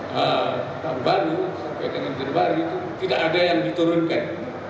pembalu sampai dengan jelubari itu tidak ada yang diturunkan